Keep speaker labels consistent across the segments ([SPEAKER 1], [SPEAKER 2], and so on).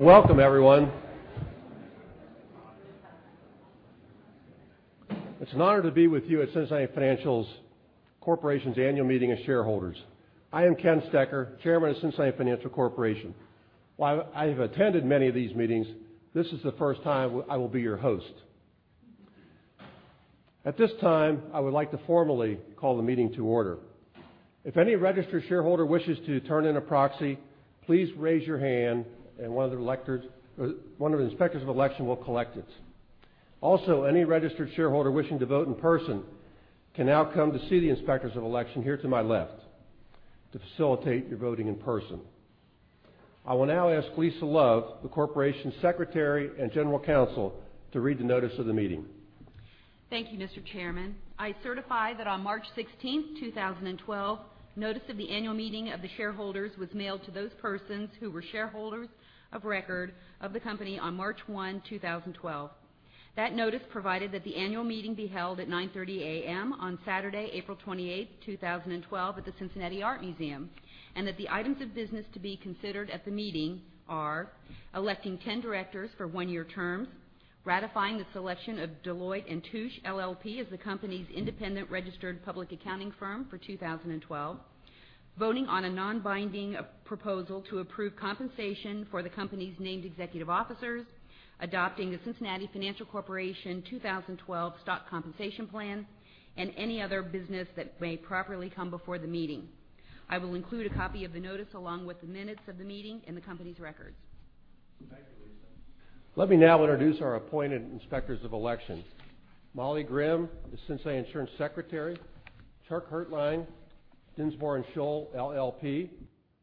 [SPEAKER 1] Welcome, everyone. It's an honor to be with you at Cincinnati Financial Corporation's annual meeting of shareholders. I am Ken Stecher, Chairman of Cincinnati Financial Corporation. While I've attended many of these meetings, this is the first time I will be your host. At this time, I would like to formally call the meeting to order. If any registered shareholder wishes to turn in a proxy, please raise your hand and one of the inspectors of election will collect it. Also, any registered shareholder wishing to vote in person can now come to see the inspectors of election here to my left to facilitate your voting in person. I will now ask Lisa Love, the Corporation's Secretary and General Counsel, to read the notice of the meeting.
[SPEAKER 2] Thank you, Mr. Chairman. I certify that on March 16th, 2012, notice of the annual meeting of the shareholders was mailed to those persons who were shareholders of record of the company on March 1, 2012. That notice provided that the annual meeting be held at 9:30 A.M. on Saturday, April 28th, 2012, at the Cincinnati Art Museum, that the items of business to be considered at the meeting are electing 10 directors for one-year terms, ratifying the selection of Deloitte & Touche LLP as the company's independent registered public accounting firm for 2012, voting on a non-binding proposal to approve compensation for the company's named executive officers, adopting the Cincinnati Financial Corporation 2012 Stock Compensation Plan, any other business that may properly come before the meeting. I will include a copy of the notice along with the minutes of the meeting in the company's records.
[SPEAKER 1] Thank you, Lisa. Let me now introduce our appointed inspectors of election. Molly Grimm, the Cincinnati Financial Corporation Secretary, Chuck Hertlein, Dinsmore & Shohl LLP,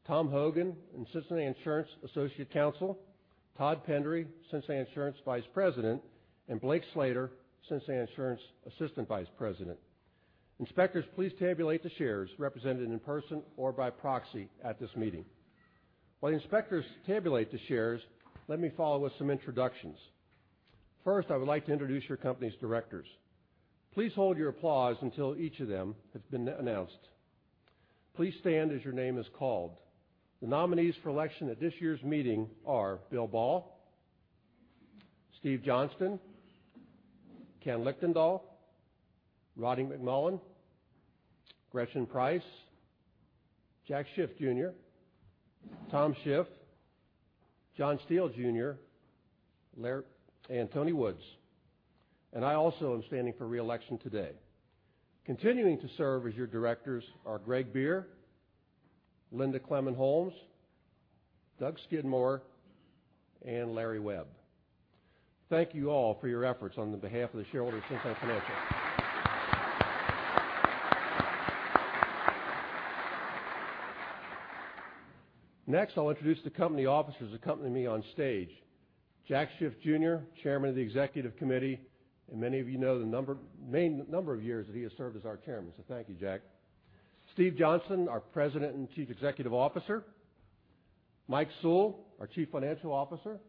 [SPEAKER 1] Tom Hogan, Cincinnati Insurance Associate Counsel, Todd Pendery, Cincinnati Insurance Vice President, Blake Slater, Cincinnati Insurance Assistant Vice President. Inspectors, please tabulate the shares represented in person or by proxy at this meeting. While the inspectors tabulate the shares, let me follow with some introductions. First, I would like to introduce your company's directors. Please hold your applause until each of them has been announced. Please stand as your name is called. The nominees for election at this year's meeting are Bill Bahl, Steve Johnston, Ken Lichtendahl, Rodney McMullen, Gretchen Price, Jack Schiff Jr., Tom Schiff, John Schiff Jr., and Tony Woods. I also am standing for re-election today. Continuing to serve as your directors are Greg Bier, Linda Clement-Holmes, Doug Skidmore, and Larry Webb. Thank you all for your efforts on the behalf of the shareholders of Cincinnati Financial. Next, I'll introduce the company officers accompanying me on stage. Jack Schiff Jr., Chairman of the Executive Committee, many of you know the number of years that he has served as our chairman, so thank you, Jack. Steve Johnston, our President and Chief Executive Officer. Mike Sewell, our Chief Financial Officer.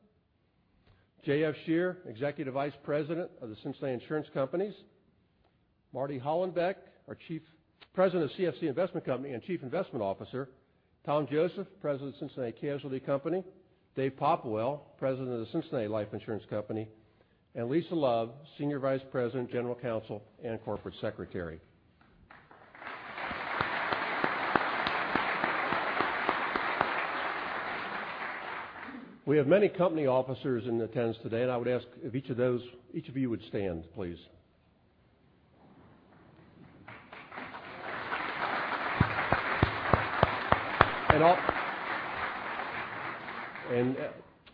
[SPEAKER 1] J.F. Scherer, Executive Vice President of The Cincinnati Insurance Companies. Marty Hollenbeck, our President of CFC Investment Company and Chief Investment Officer. Tom Joseph, President of The Cincinnati Casualty Company. Dave Popplewell, President of The Cincinnati Life Insurance Company, Lisa Love, Senior Vice President, General Counsel, and Corporate Secretary. We have many company officers in attendance today, and I would ask if each of you would stand, please.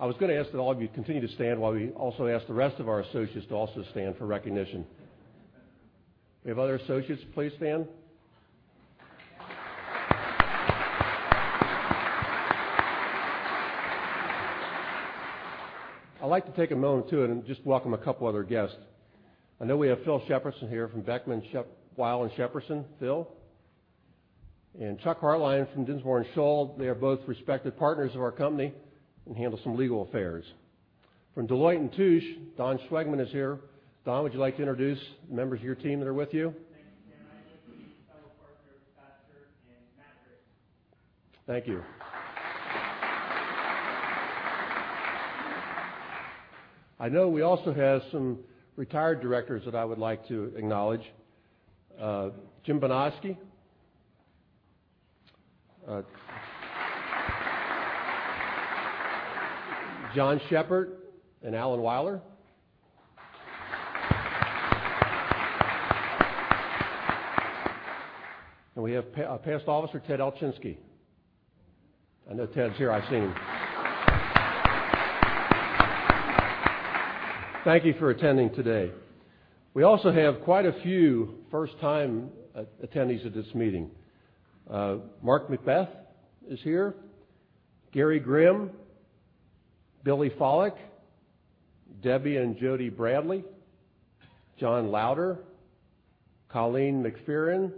[SPEAKER 1] I was going to ask that all of you continue to stand while we also ask the rest of our associates to also stand for recognition. We have other associates, please stand. I'd like to take a moment too and just welcome a couple other guests. I know we have Phil Shepardson here from Beckman Weil Shepardson. Phil. Chuck Hertlein from Dinsmore & Shohl. They are both respected partners of our company and handle some legal affairs. From Deloitte & Touche, Don Schwegman is here. Don, would you like to introduce members of your team that are with you? Thank you, Ken. I have with me fellow partners, Pat Kirk and Matt Grace. Thank you. I know we also have some retired directors that I would like to acknowledge. Jim Benosky. John Shepherd and Alan Wyler. We have past officer, Ted Alchinski. I know Ted's here. I see him. Thank you for attending today. We also have quite a few first-time attendees at this meeting. Mark McBeth is here, Gary Grimm, Billy Follick, Debbie and Jody Bradley, John Louder, Colleen McPheron,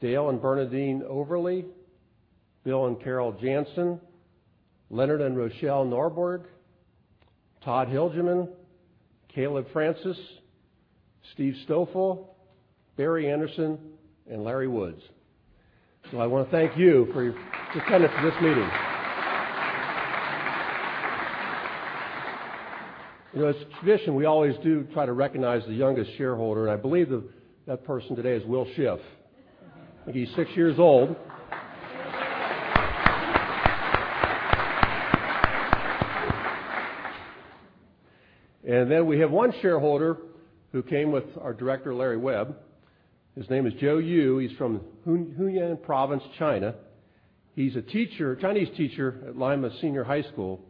[SPEAKER 1] Dale and Bernadine Overly, Bill and Carol Jansen, Leonard and Rochelle Norburg Todd Hilgeman, Caleb Francis, Steve Stoffel, Barry Anderson, and Larry Woods. I want to thank you for attending this meeting. It's tradition, we always do try to recognize the youngest shareholder, and I believe that person today is Will Schiff. I think he's six years old. We have one shareholder who came with our director, Larry Webb. His name is Joe Yu. He's from Hunan Province, China. He's a Chinese teacher at Lima Senior High School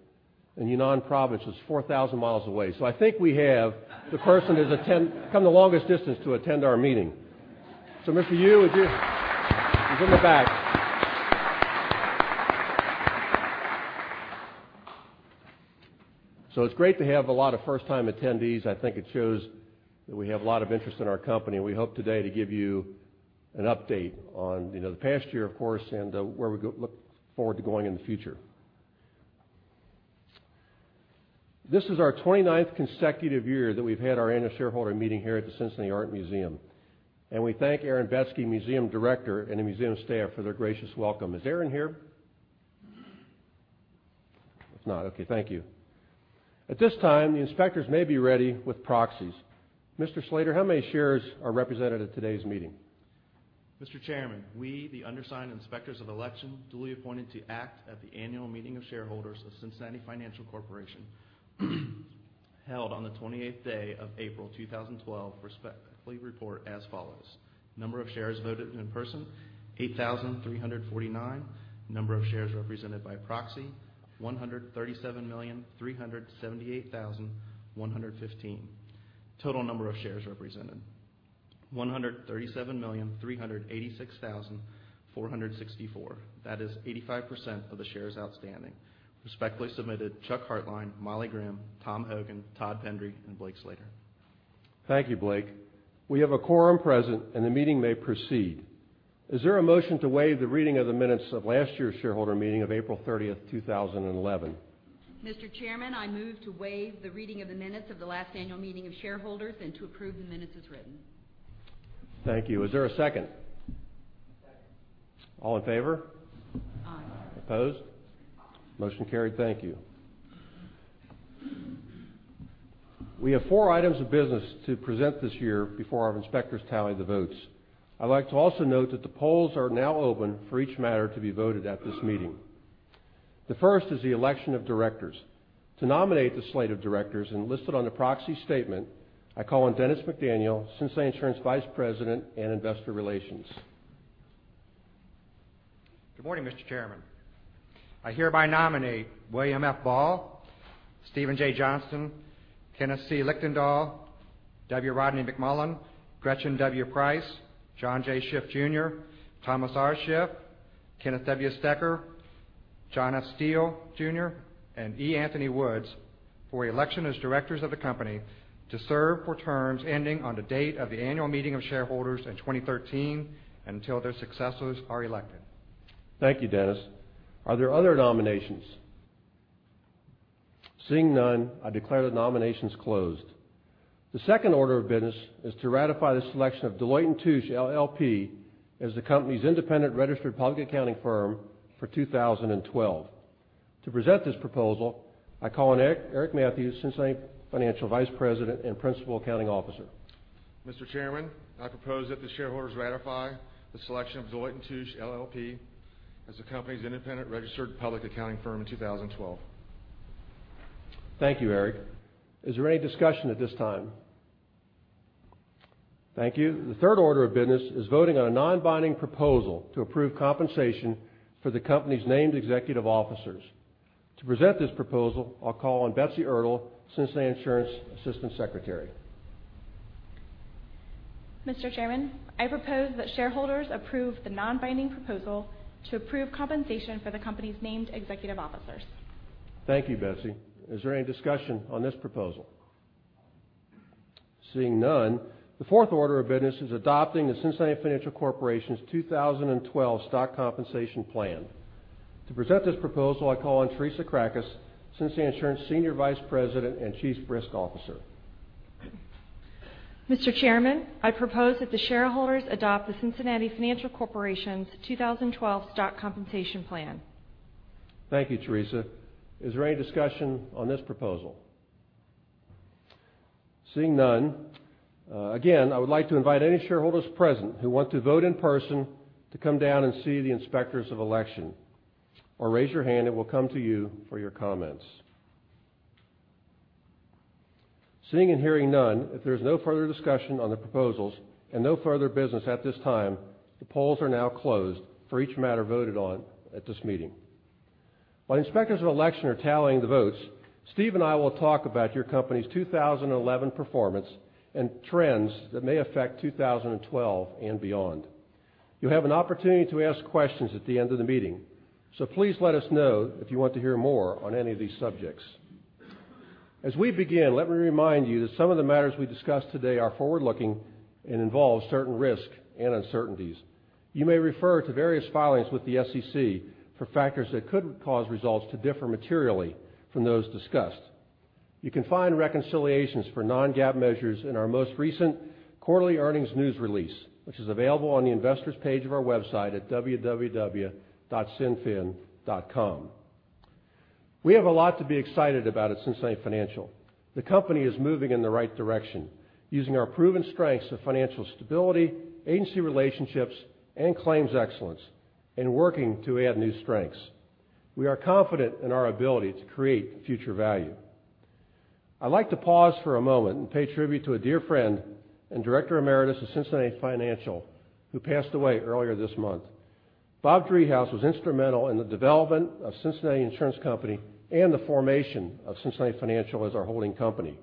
[SPEAKER 1] in Hunan Province. That's 4,000 miles away. I think we have the person who's come the longest distance to attend our meeting. Mr. Yu, would you. He's in the back. It's great to have a lot of first-time attendees. I think it shows that we have a lot of interest in our company, and we hope today to give you an update on the past year, of course, and where we look forward to going in the future. This is our 29th consecutive year that we've had our annual shareholder meeting here at the Cincinnati Art Museum. We thank Aaron Betsky, museum director, and the museum staff for their gracious welcome. Is Aaron here? He's not. Okay. Thank you. At this time, the inspectors may be ready with proxies. Mr. Slater, how many shares are represented at today's meeting?
[SPEAKER 3] Mr. Chairman, we, the undersigned inspectors of election, duly appointed to act at the annual meeting of shareholders of Cincinnati Financial Corporation held on the 28th day of April, 2012, respectfully report as follows: number of shares voted in person, 8,349. Number of shares represented by proxy, 137,378,115. Total number of shares represented, 137,386,464. That is 85% of the shares outstanding. Respectfully submitted, Chuck Hertlein, Molly Grimm, Tom Hogan, Todd Pendery, and Blake Slater.
[SPEAKER 1] Thank you, Blake. We have a quorum present and the meeting may proceed. Is there a motion to waive the reading of the minutes of last year's shareholder meeting of April 30th, 2011?
[SPEAKER 2] Mr. Chairman, I move to waive the reading of the minutes of the last annual meeting of shareholders and to approve the minutes as written.
[SPEAKER 1] Thank you. Is there a second?
[SPEAKER 4] Second.
[SPEAKER 1] All in favor?
[SPEAKER 2] Aye.
[SPEAKER 4] Opposed? Aye. Motion carried. Thank you. We have four items of business to present this year before our inspectors tally the votes. I'd like to also note that the polls are now open for each matter to be voted at this meeting. The first is the election of directors. To nominate the slate of directors and listed on the proxy statement, I call on Dennis McDaniel, Cincinnati Insurance Vice President and Investor Relations.
[SPEAKER 5] Good morning, Mr. Chairman. I hereby nominate William F. Bahl, Steven J. Johnston, Kenneth C. Lichtendahl, W. Rodney McMullen, Gretchen W. Price, John J. Schiff, Jr., Thomas R. Schiff, Kenneth W. Stecher, John J. Schiff, Jr., and E. Anthony Woods for election as directors of the company to serve for terms ending on the date of the annual meeting of shareholders in 2013 and until their successors are elected.
[SPEAKER 1] Thank you, Dennis. Are there other nominations? Seeing none, I declare the nominations closed. The second order of business is to ratify the selection of Deloitte & Touche LLP as the company's independent registered public accounting firm for 2012. To present this proposal, I call on Eric Mathews, Cincinnati Financial Vice President and Principal Accounting Officer.
[SPEAKER 6] Mr. Chairman, I propose that the shareholders ratify the selection of Deloitte & Touche LLP as the company's independent registered public accounting firm in 2012.
[SPEAKER 1] Thank you, Eric. Is there any discussion at this time? Thank you. The third order of business is voting on a non-binding proposal to approve compensation for the company's named executive officers. To present this proposal, I'll call on Betsy Ertl, Cincinnati Insurance Assistant Secretary.
[SPEAKER 7] Mr. Chairman, I propose that shareholders approve the non-binding proposal to approve compensation for the company's named executive officers.
[SPEAKER 1] Thank you, Betsy. Is there any discussion on this proposal? Seeing none, the fourth order of business is adopting the Cincinnati Financial Corporation 2012 Stock Compensation Plan. To present this proposal, I call on Teresa C. Cracas, Cincinnati Insurance Senior Vice President and Chief Risk Officer.
[SPEAKER 8] Mr. Chairman, I propose that the shareholders adopt the Cincinnati Financial Corporation 2012 Stock Compensation Plan.
[SPEAKER 1] Thank you, Teresa. Is there any discussion on this proposal? Seeing none, again, I would like to invite any shareholders present who want to vote in person to come down and see the inspectors of election or raise your hand and we'll come to you for your comments. Seeing and hearing none, if there's no further discussion on the proposals and no further business at this time, the polls are now closed for each matter voted on at this meeting. While the inspectors of election are tallying the votes, Steve and I will talk about your company's 2011 performance and trends that may affect 2012 and beyond. You have an opportunity to ask questions at the end of the meeting, so please let us know if you want to hear more on any of these subjects. As we begin, let me remind you that some of the matters we discuss today are forward-looking and involve certain risks and uncertainties. You may refer to various filings with the SEC for factors that could cause results to differ materially from those discussed. You can find reconciliations for non-GAAP measures in our most recent quarterly earnings news release, which is available on the investors page of our website at www.cinfin.com. We have a lot to be excited about at Cincinnati Financial. The company is moving in the right direction using our proven strengths of financial stability, agency relationships, and claims excellence in working to add new strengths. We are confident in our ability to create future value. I'd like to pause for a moment and pay tribute to a dear friend and director emeritus of Cincinnati Financial, who passed away earlier this month. Bob Driehaus was instrumental in the development of The Cincinnati Insurance Company and the formation of Cincinnati Financial as our holding company.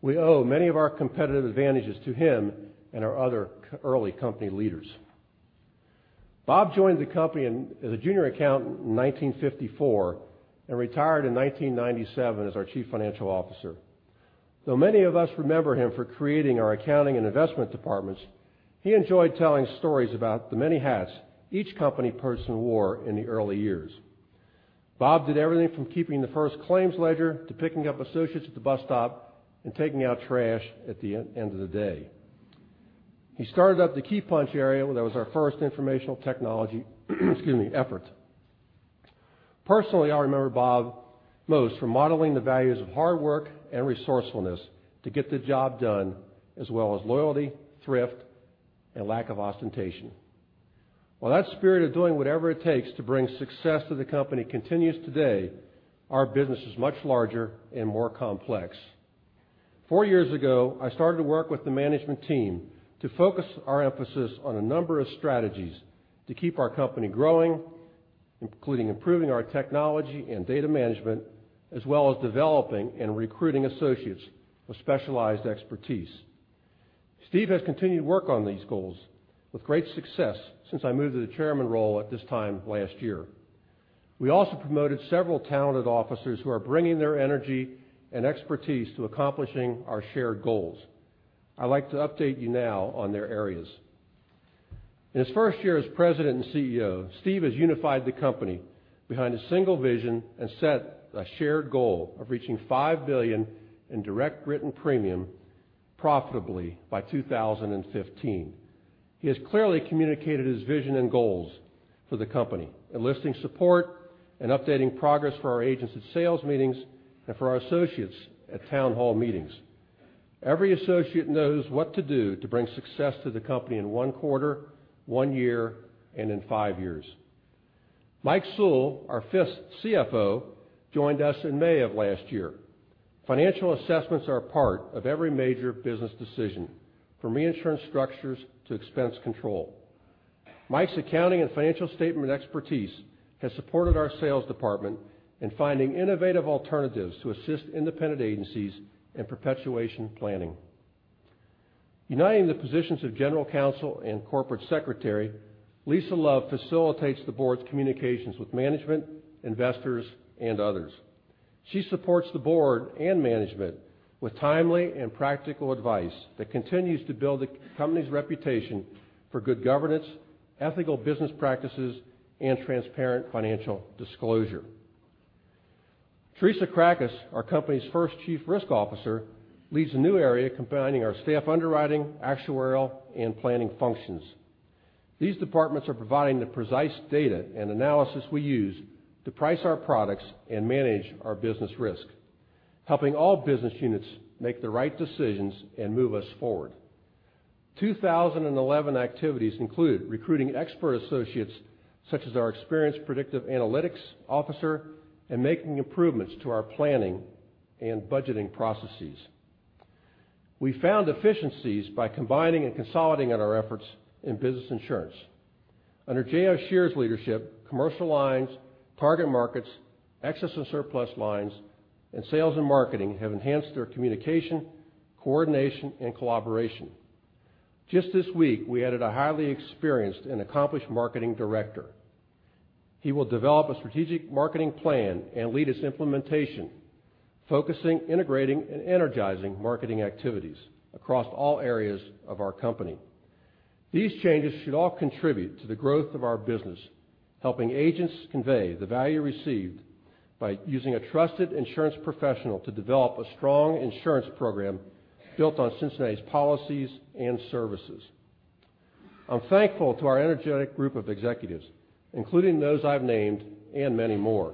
[SPEAKER 1] We owe many of our competitive advantages to him and our other early company leaders. Bob joined the company as a junior accountant in 1954 and retired in 1997 as our Chief Financial Officer. Though many of us remember him for creating our accounting and investment departments, he enjoyed telling stories about the many hats each company person wore in the early years. Bob did everything from keeping the first claims ledger to picking up associates at the bus stop and taking out trash at the end of the day. He started up the key punch area when that was our first informational technology, excuse me, effort. Personally, I remember Bob most for modeling the values of hard work and resourcefulness to get the job done, as well as loyalty, thrift, and lack of ostentation. While that spirit of doing whatever it takes to bring success to the company continues today, our business is much larger and more complex. Four years ago, I started to work with the management team to focus our emphasis on a number of strategies to keep our company growing, including improving our technology and data management, as well as developing and recruiting associates with specialized expertise. Steve has continued to work on these goals with great success since I moved to the Chairman role at this time last year. We also promoted several talented officers who are bringing their energy and expertise to accomplishing our shared goals. I'd like to update you now on their areas. In his first year as President and CEO, Steve has unified the company behind a single vision and set a shared goal of reaching $5 billion in direct written premium profitably by 2015. He has clearly communicated his vision and goals for the company, enlisting support and updating progress for our agents at sales meetings and for our associates at town hall meetings. Every associate knows what to do to bring success to the company in one quarter, one year, and in five years. Mike Sewell, our fifth CFO, joined us in May of last year. Financial assessments are a part of every major business decision, from reinsurance structures to expense control. Mike's accounting and financial statement expertise has supported our sales department in finding innovative alternatives to assist independent agencies in perpetuation planning. Uniting the positions of General Counsel and Corporate Secretary, Lisa Love facilitates the board's communications with management, investors, and others. She supports the board and management with timely and practical advice that continues to build the company's reputation for good governance, ethical business practices, and transparent financial disclosure. Teresa Cracas, our company's first Chief Risk Officer, leads a new area combining our staff underwriting, actuarial, and planning functions. These departments are providing the precise data and analysis we use to price our products and manage our business risk, helping all business units make the right decisions and move us forward. 2011 activities include recruiting expert associates such as our experienced predictive analytics officer and making improvements to our planning and budgeting processes. We found efficiencies by combining and consolidating on our efforts in business insurance. Under J.F. Scheer's leadership, commercial lines, target markets, excess and surplus lines, and sales and marketing have enhanced their communication, coordination, and collaboration. Just this week, we added a highly experienced and accomplished marketing director. He will develop a strategic marketing plan and lead its implementation, focusing, integrating, and energizing marketing activities across all areas of our company. These changes should all contribute to the growth of our business, helping agents convey the value received by using a trusted insurance professional to develop a strong insurance program built on Cincinnati's policies and services. I'm thankful to our energetic group of executives, including those I've named and many more.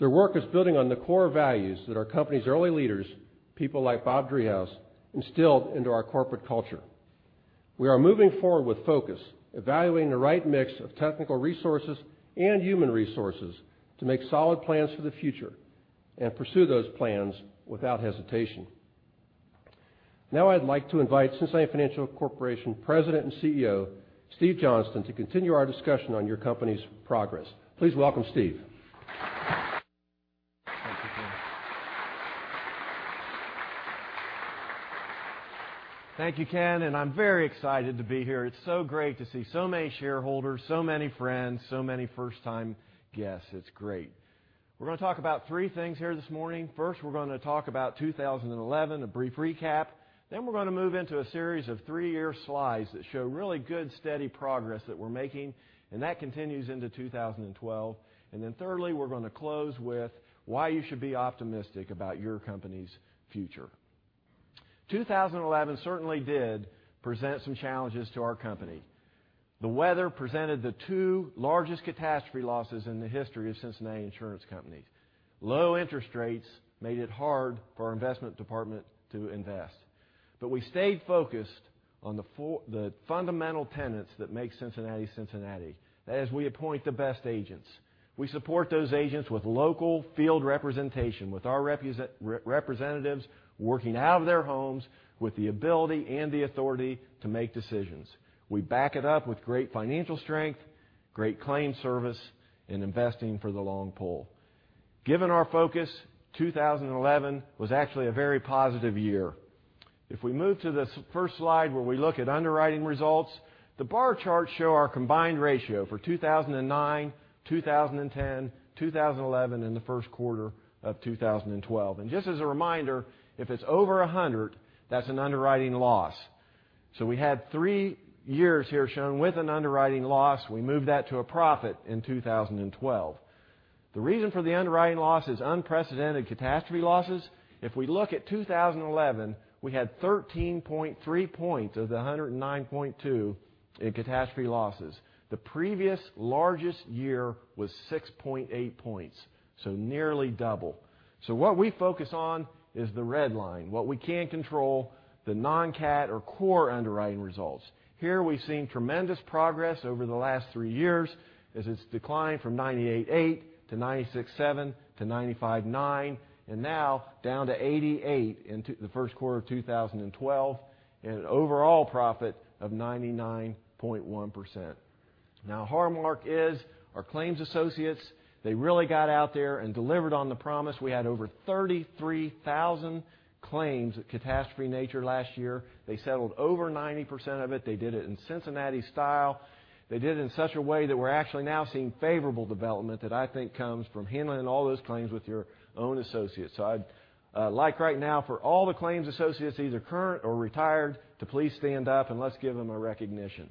[SPEAKER 1] Their work is building on the core values that our company's early leaders, people like Bob Driehaus, instilled into our corporate culture. We are moving forward with focus, evaluating the right mix of technical resources and human resources to make solid plans for the future and pursue those plans without hesitation. I'd like to invite Cincinnati Financial Corporation President and CEO, Steve Johnston, to continue our discussion on your company's progress. Please welcome Steve.
[SPEAKER 4] Thank you, Ken. Thank you, Ken. I'm very excited to be here. It's so great to see so many shareholders, so many friends, so many first-time guests. It's great. We're going to talk about three things here this morning. First, we're going to talk about 2011, a brief recap. We're going to move into a series of three-year slides that show really good, steady progress that we're making, and that continues into 2012. Thirdly, we're going to close with why you should be optimistic about your company's future. 2011 certainly did present some challenges to our company. The weather presented the two largest catastrophe losses in the history of The Cincinnati Insurance Companies. Low interest rates made it hard for our investment department to invest. We stayed focused on the fundamental tenets that make Cincinnati Cincinnati. That is, we appoint the best agents. We support those agents with local field representation, with our representatives working out of their homes with the ability and the authority to make decisions. We back it up with great financial strength, great claim service, and investing for the long pull. Given our focus, 2011 was actually a very positive year. We move to the first slide where we look at underwriting results, the bar charts show our combined ratio for 2009, 2010, 2011, and the first quarter of 2012. Just as a reminder, if it's over 100, that's an underwriting loss. We had three years here shown with an underwriting loss. We moved that to a profit in 2012. The reason for the underwriting loss is unprecedented catastrophe losses. We look at 2011, we had 13.3 points of the 109.2 in catastrophe losses. The previous largest year was 6.8 points, nearly double. What we focus on is the red line, what we can control, the non-cat or core underwriting results. Here we've seen tremendous progress over the last three years as it's declined from 98.8 to 96.7 to 95.9, and now down to 88 in the first quarter of 2012, an overall profit of 99.1%. Our claims associates, they really got out there and delivered on the promise. We had over 33,000 claims of catastrophe nature last year. They settled over 90% of it. They did it in Cincinnati style. They did it in such a way that we're actually now seeing favorable development that I think comes from handling all those claims with your own associates. I'd like right now for all the claims associates, either current or retired, to please stand up and let's give them a recognition.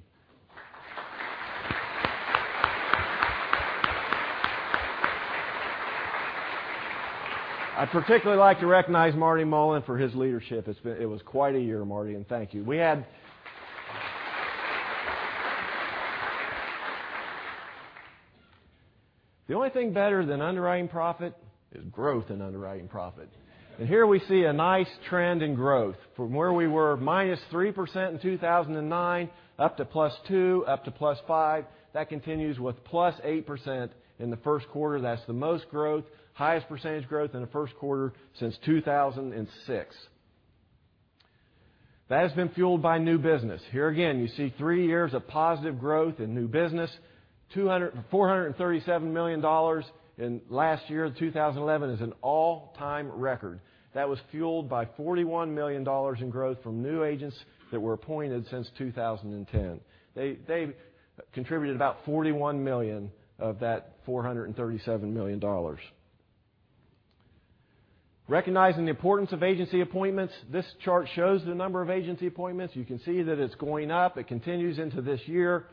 [SPEAKER 4] I'd particularly like to recognize Marty Mullen for his leadership. It was quite a year, Marty, thank you. The only thing better than underwriting profit is growth in underwriting profit. Here we see a nice trend in growth from where we were, minus 3% in 2009, up to plus 2, up to plus 5. That continues with plus 8% in the first quarter. That's the most growth, highest percentage growth in the first quarter since 2006. That has been fueled by new business. Here again, you see three years of positive growth in new business. $437 million in last year of 2011 is an all-time record. That was fueled by $41 million in growth from new agents that were appointed since 2010. They contributed about $41 million of that $437 million. Recognizing the importance of agency appointments, this chart shows the number of agency appointments. You can see that it's going up. It continues into this year.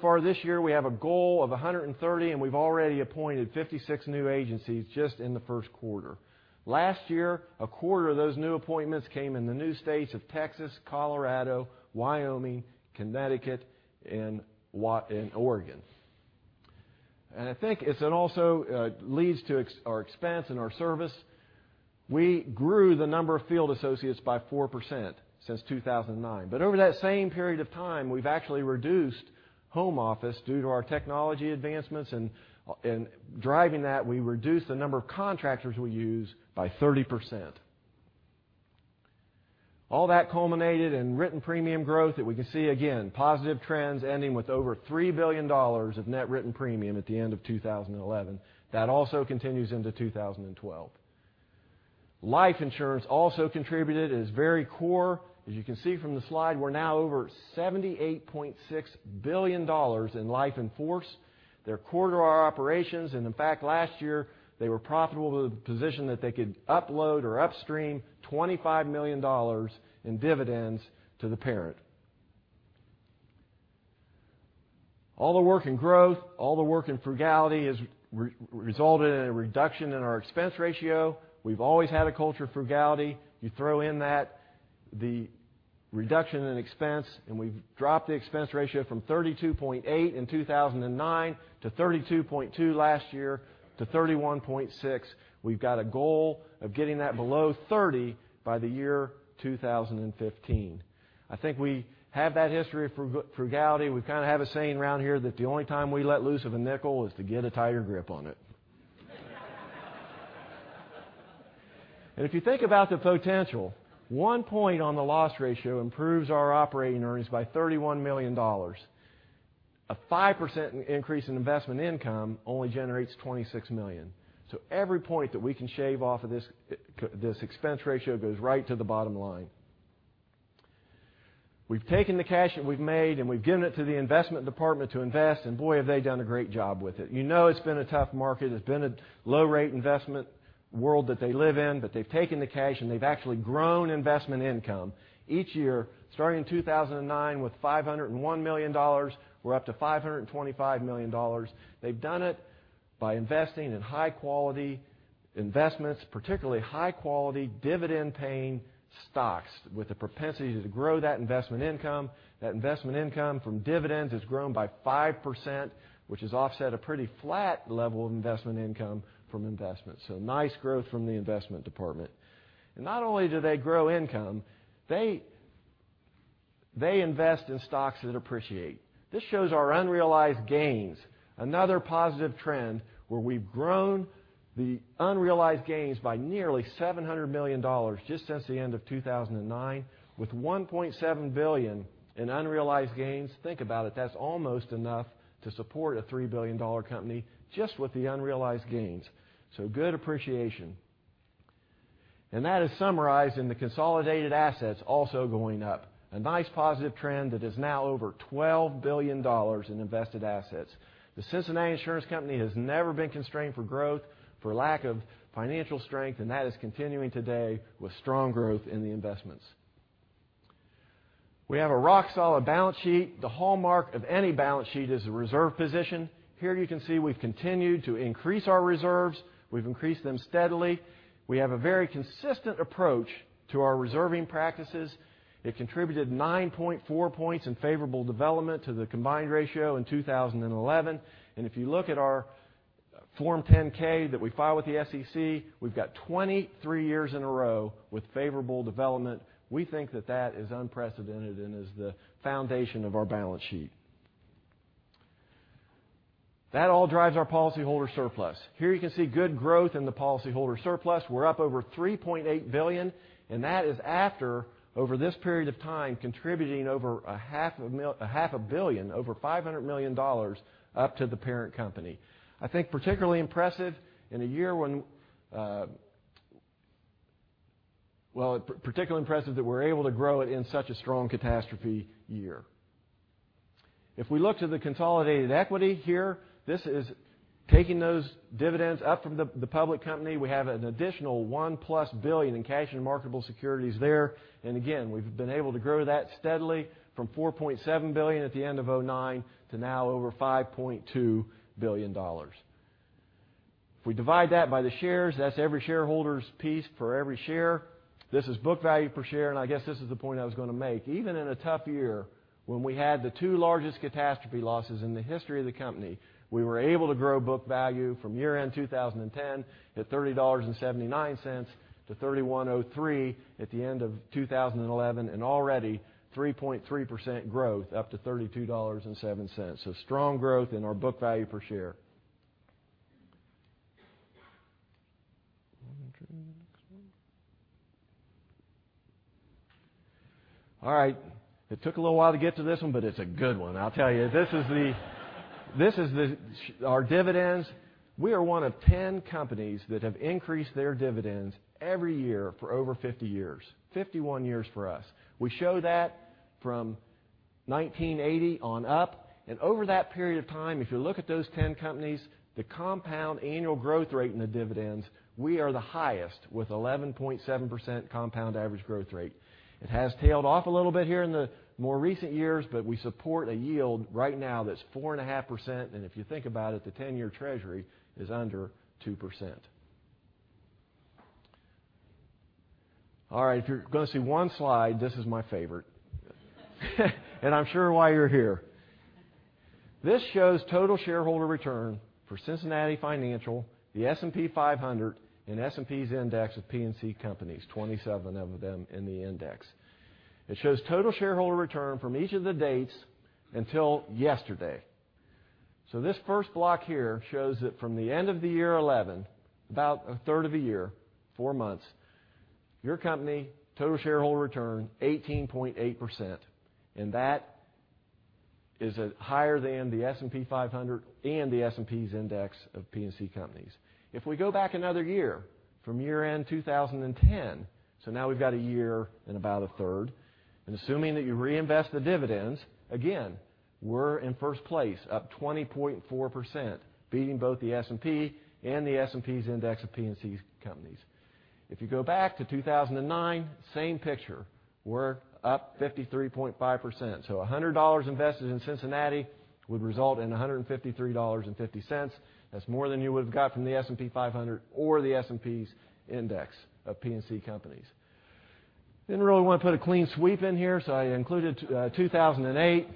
[SPEAKER 4] Far this year, we have a goal of 130, and we've already appointed 56 new agencies just in the first quarter. Last year, a quarter of those new appointments came in the new states of Texas, Colorado, Wyoming, Connecticut, and Oregon. I think it also leads to our expense and our service. We grew the number of field associates by 4% since 2009. Over that same period of time, we've actually reduced home office due to our technology advancements, and driving that, we reduced the number of contractors we use by 30%. All that culminated in written premium growth that we can see again, positive trends ending with over $3 billion of net written premium at the end of 2011. That also continues into 2012. Life insurance also contributed. It is very core. As you can see from the slide, we're now over $78.6 billion in life in force. They're core to our operations, and in fact, last year, they were profitable to the position that they could upload or upstream $25 million in dividends to the parent. All the work in growth, all the work in frugality has resulted in a reduction in our expense ratio. We've always had a culture of frugality. You throw in that the reduction in expense, and we've dropped the expense ratio from 32.8% in 2009 to 32.2% last year to 31.6%. We've got a goal of getting that below 30% by the year 2015. I think we have that history of frugality. We kind of have a saying around here that the only time we let loose of a nickel is to get a tighter grip on it. If you think about the potential, one point on the loss ratio improves our operating earnings by $31 million. A 5% increase in investment income only generates $26 million. Every point that we can shave off of this expense ratio goes right to the bottom line. We've taken the cash that we've made, and we've given it to the investment department to invest, and boy, have they done a great job with it. You know it's been a tough market. It's been a low-rate investment world that they live in, but they've taken the cash, and they've actually grown investment income. Each year, starting in 2009 with $501 million, we're up to $525 million. They've done it by investing in high quality investments, particularly high quality dividend-paying stocks with the propensity to grow that investment income. That investment income from dividends has grown by 5%, which has offset a pretty flat level of investment income from investments. Nice growth from the investment department. Not only do they grow income, they invest in stocks that appreciate. This shows our unrealized gains, another positive trend where we've grown the unrealized gains by nearly $700 million just since the end of 2009. With $1.7 billion in unrealized gains, think about it, that's almost enough to support a $3 billion company just with the unrealized gains. Good appreciation. That is summarized in the consolidated assets also going up. A nice positive trend that is now over $12 billion in invested assets. The Cincinnati Insurance Company has never been constrained for growth for lack of financial strength, and that is continuing today with strong growth in the investments. We have a rock-solid balance sheet. The hallmark of any balance sheet is the reserve position. Here you can see we've continued to increase our reserves. We've increased them steadily. We have a very consistent approach to our reserving practices. It contributed 9.4 points in favorable development to the combined ratio in 2011. If you look at our Form 10-K that we file with the SEC, we've got 23 years in a row with favorable development. We think that that is unprecedented and is the foundation of our balance sheet. That all drives our policyholder surplus. Here you can see good growth in the policyholder surplus. We're up over $3.8 billion, and that is after over this period of time contributing over a half a billion, over $500 million, up to the parent company. I think particularly impressive in a year when particularly impressive that we're able to grow it in such a strong catastrophe year. If we look to the consolidated equity here, this is taking those dividends up from the public company. We have an additional $1+ billion in cash and marketable securities there. Again, we've been able to grow that steadily from $4.7 billion at the end of 2009 to now over $5.2 billion. If we divide that by the shares, that's every shareholder's piece for every share. This is book value per share, and I guess this is the point I was going to make. Even in a tough year, when we had the two largest catastrophe losses in the history of the company, we were able to grow book value from year-end 2010 at $30.79 to $31.03 at the end of 2011, and already 3.3% growth up to $32.07. Strong growth in our book value per share. I want to turn to the next one. All right. It took a little while to get to this one, it's a good one, I'll tell you. This is our dividends. We are one of 10 companies that have increased their dividends every year for over 50 years. 51 years for us. We show that from 1980 on up, over that period of time, if you look at those 10 companies, the compound annual growth rate in the dividends, we are the highest with 11.7% compound average growth rate. It has tailed off a little bit here in the more recent years, we support a yield right now that's 4.5%, and if you think about it, the 10-year treasury is under 2%. If you're going to see one slide, this is my favorite. I'm sure why you're here. This shows total shareholder return for Cincinnati Financial, the S&P 500, and S&P's index of P&C companies, 27 of them in the index. It shows total shareholder return from each of the dates until yesterday. This first block here shows that from the end of the year 2011, about a third of a year, four months, your company, total shareholder return, 18.8%. That is higher than the S&P 500 and the S&P's index of P&C companies. If we go back another year from year-end 2010, now we've got a year and about a third, assuming that you reinvest the dividends, again, we're in first place, up 20.4%, beating both the S&P and the S&P's index of P&C companies. If you go back to 2009, same picture. We're up 53.5%. $100 invested in Cincinnati would result in $153.50. That's more than you would have got from the S&P 500 or the S&P's index of P&C companies. Didn't really want to put a clean sweep in here, I included 2008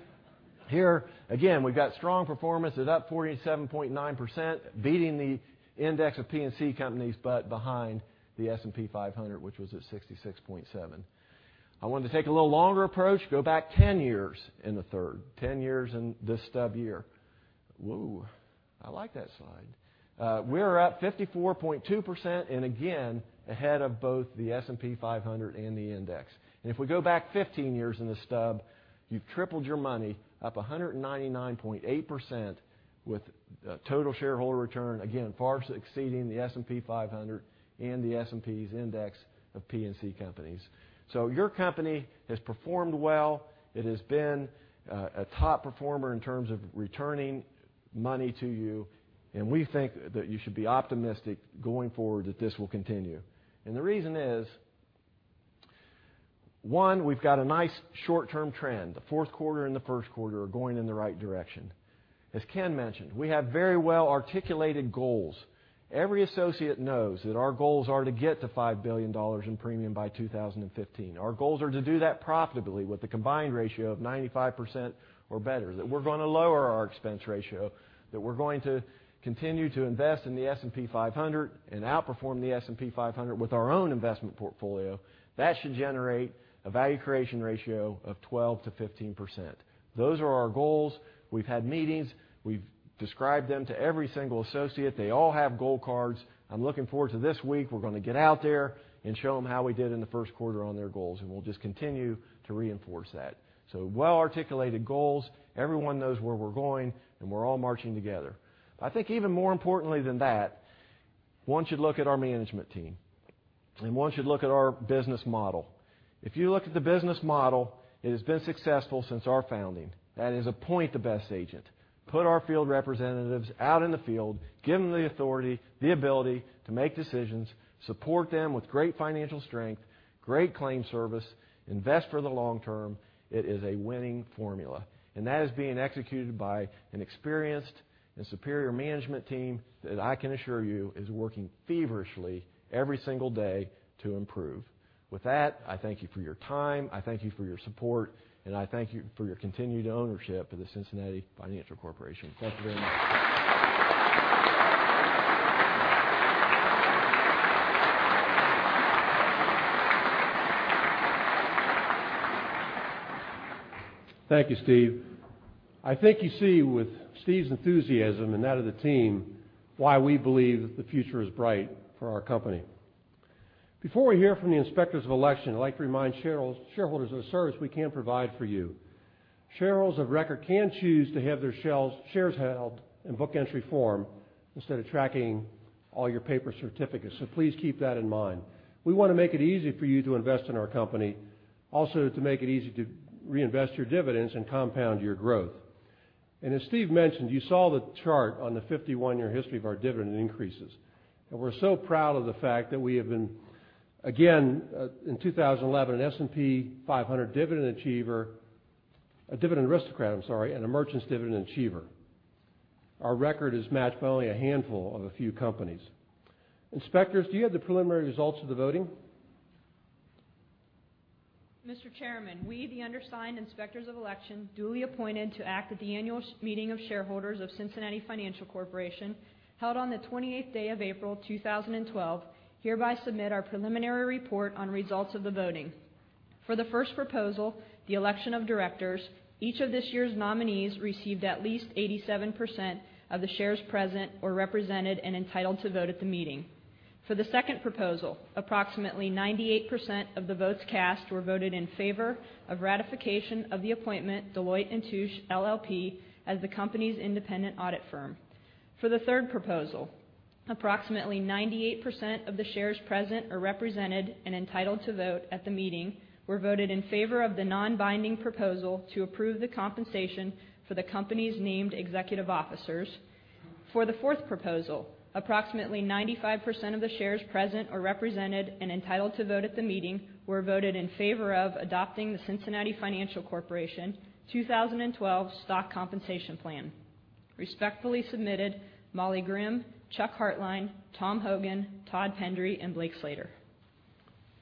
[SPEAKER 4] here. Again, we've got strong performance at up 47.9%, beating the index of P&C companies, but behind the S&P 500, which was at 66.7%. I wanted to take a little longer approach, go back 10 years and a third. 10 years and this stub year. Whoa. I like that slide. We're at 54.2%, again, ahead of both the S&P 500 and the index. If we go back 15 years in the stub, you've tripled your money, up 199.8% with total shareholder return, again, far exceeding the S&P 500 and the S&P's index of P&C companies. Your company has performed well. It has been a top performer in terms of returning money to you, and we think that you should be optimistic going forward that this will continue. The reason is, one, we've got a nice short-term trend. The fourth quarter and the first quarter are going in the right direction. As Ken mentioned, we have very well-articulated goals. Every associate knows that our goals are to get to $5 billion in premium by 2015. Our goals are to do that profitably with a combined ratio of 95% or better, that we're going to lower our expense ratio, that we're going to continue to invest in the S&P 500 and outperform the S&P 500 with our own investment portfolio. That should generate a value creation ratio of 12%-15%. Those are our goals. We've had meetings. We've described them to every single associate. They all have goal cards. I'm looking forward to this week. We're going to get out there and show them how we did in the first quarter on their goals, and we'll just continue to reinforce that. Well-articulated goals. Everyone knows where we're going, and we're all marching together. I think even more importantly than that, one should look at our management team, and one should look at our business model. If you look at the business model, it has been successful since our founding. That is, appoint the best agent, put our field representatives out in the field, give them the authority, the ability to make decisions, support them with great financial strength, great claim service, invest for the long term. It is a winning formula. That is being executed by an experienced and superior management team that I can assure you is working feverishly every single day to improve. With that, I thank you for your time, I thank you for your support, and I thank you for your continued ownership of the Cincinnati Financial Corporation. Thank you very much.
[SPEAKER 1] Thank you, Steve. I think you see with Steve's enthusiasm and that of the team why we believe that the future is bright for our company. Before we hear from the inspectors of election, I'd like to remind shareholders of a service we can provide for you. Shareholders of record can choose to have their shares held in book entry form instead of tracking all your paper certificates. Please keep that in mind. We want to make it easy for you to invest in our company, also to make it easy to reinvest your dividends and compound your growth. As Steve mentioned, you saw the chart on the 51-year history of our dividend increases. We're so proud of the fact that we have been, again, in 2011, an S&P 500 dividend aristocrat and a Mergent's Dividend Achiever. Our record is matched by only a handful of a few companies. Inspectors, do you have the preliminary results of the voting?
[SPEAKER 9] Mr. Chairman, we, the undersigned inspectors of election, duly appointed to act at the annual meeting of shareholders of Cincinnati Financial Corporation, held on the 28th day of April, 2012, hereby submit our preliminary report on results of the voting. For the first proposal, the election of directors, each of this year's nominees received at least 87% of the shares present or represented and entitled to vote at the meeting. For the second proposal, approximately 98% of the votes cast were voted in favor of ratification of the appointment Deloitte & Touche LLP, as the company's independent audit firm. For the third proposal, approximately 98% of the shares present or represented and entitled to vote at the meeting were voted in favor of the non-binding proposal to approve the compensation for the company's named executive officers. For the fourth proposal, approximately 95% of the shares present or represented and entitled to vote at the meeting were voted in favor of adopting the Cincinnati Financial Corporation 2012 Stock Compensation Plan. Respectfully submitted, Molly Grimm, Chuck Hartline, Tom Hogan, Todd Pendery, and Blake Slater.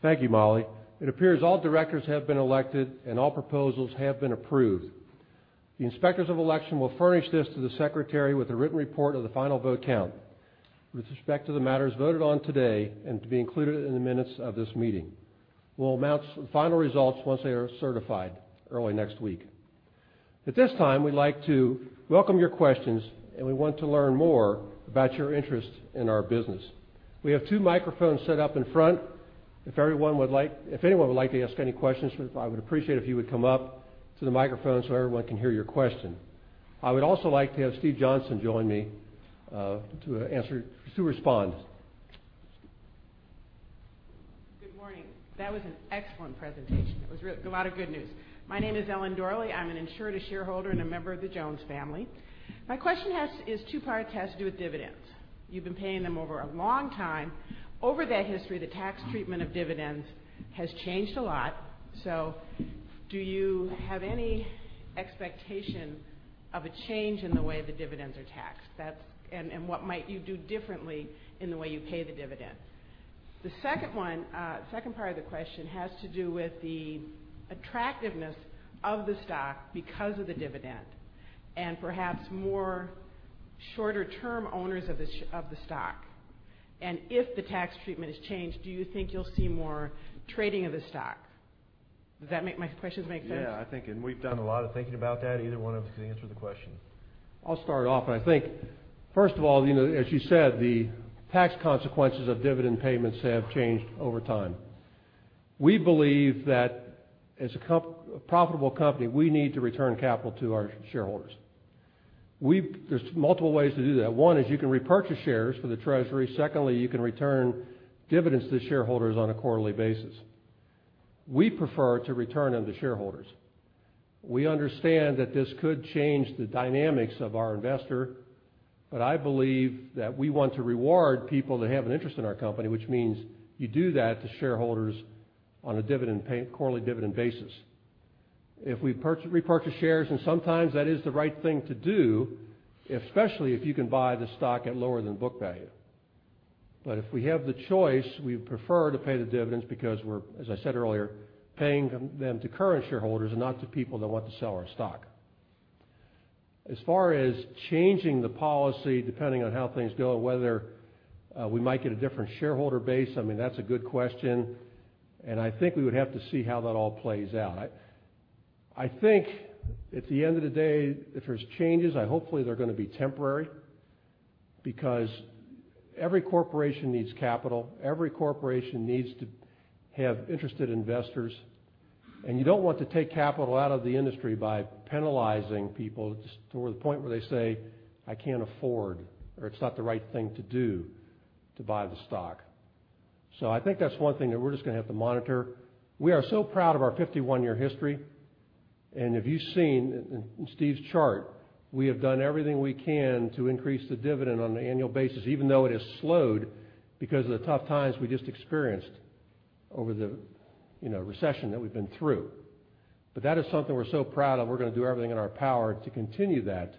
[SPEAKER 1] Thank you, Molly. It appears all directors have been elected and all proposals have been approved. The inspectors of election will furnish this to the secretary with a written report of the final vote count with respect to the matters voted on today and to be included in the minutes of this meeting. We'll announce the final results once they are certified early next week. At this time, we'd like to welcome your questions. We want to learn more about your interest in our business. We have two microphones set up in front. If anyone would like to ask any questions, I would appreciate if you would come up to the microphone so everyone can hear your question. I would also like to have Steve Johnston join me to respond.
[SPEAKER 10] Good morning. That was an excellent presentation. It was a lot of good news. My name is Ellen Dorley. I am an insured, a shareholder, and a member of the Jones family. My question is two-part. It has to do with dividends. You've been paying them over a long time. Over that history, the tax treatment of dividends has changed a lot. Do you have any expectation of a change in the way the dividends are taxed? What might you do differently in the way you pay the dividend? The second part of the question has to do with the attractiveness of the stock because of the dividend, and perhaps more shorter-term owners of the stock. If the tax treatment is changed, do you think you'll see more trading of the stock? Do my questions make sense?
[SPEAKER 1] Yeah. I think we've done a lot of thinking about that. Either one of us can answer the question. I'll start off. I think, first of all, as you said, the tax consequences of dividend payments have changed over time. We believe that as a profitable company, we need to return capital to our shareholders. There are multiple ways to do that. One is you can repurchase shares for the treasury. Secondly, you can return dividends to shareholders on a quarterly basis. We prefer to return them to shareholders. We understand that this could change the dynamics of our investor, I believe that we want to reward people that have an interest in our company, which means you do that to shareholders on a quarterly dividend basis. If we repurchase shares, sometimes that is the right thing to do, especially if you can buy the stock at lower than book value. If we have the choice, we'd prefer to pay the dividends because we're, as I said earlier, paying them to current shareholders and not to people that want to sell our stock. As far as changing the policy, depending on how things go, whether we might get a different shareholder base, I mean, that's a good question, and I think we would have to see how that all plays out. I think at the end of the day, if there are changes, hopefully they're going to be temporary because every corporation needs capital. Every corporation needs to have interested investors, you don't want to take capital out of the industry by penalizing people to the point where they say, "I can't afford," or, "It's not the right thing to do to buy the stock." I think that's one thing that we're just going to have to monitor. We are so proud of our 51-year history, if you've seen in Steve's chart, we have done everything we can to increase the dividend on an annual basis, even though it has slowed because of the tough times we just experienced over the recession that we've been through. That is something we're so proud of. We're going to do everything in our power to continue that.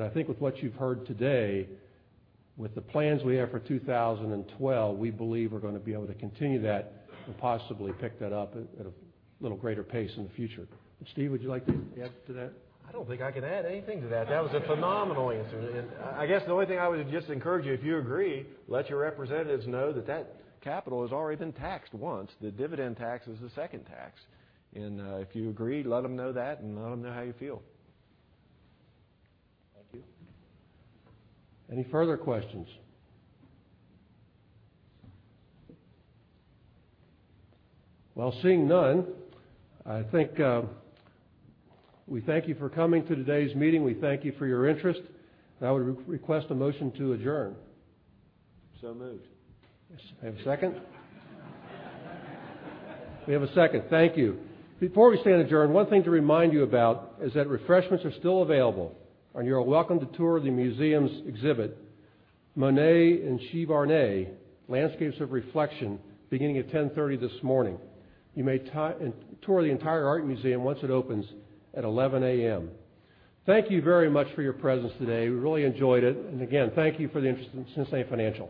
[SPEAKER 1] I think with what you've heard today, with the plans we have for 2012, we believe we're going to be able to continue that and possibly pick that up at a little greater pace in the future. Steve, would you like to add to that?
[SPEAKER 4] I don't think I can add anything to that. That was a phenomenal answer. I guess the only thing I would just encourage you, if you agree, let your representatives know that capital has already been taxed once. The dividend tax is the second tax. If you agree, let them know that, and let them know how you feel.
[SPEAKER 1] Thank you. Any further questions? Well, seeing none, I think we thank you for coming to today's meeting. We thank you for your interest, and I would request a motion to adjourn.
[SPEAKER 4] Moved.
[SPEAKER 1] Do we have a second? We have a second. Thank you. Before we stand adjourned, one thing to remind you about is that refreshments are still available, and you are welcome to tour the museum's exhibit, "Monet and Giverny: Landscapes of Reflection," beginning at 10:30 this morning. You may tour the entire art museum once it opens at 11:00 A.M. Thank you very much for your presence today. We really enjoyed it. Again, thank you for the interest in Cincinnati Financial.